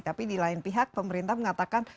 tapi di lain pihak pemerintah mengatakan